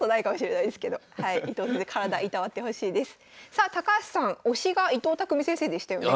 さあ高橋さん推しが伊藤匠先生でしたよね。